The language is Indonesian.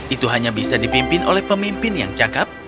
itu hanya bisa dipimpin oleh pemimpin yang cakep